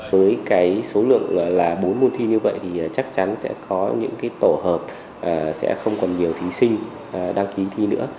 với cái số lượng là bốn môn thi như vậy thì chắc chắn sẽ có những tổ hợp sẽ không còn nhiều thí sinh đăng ký thi nữa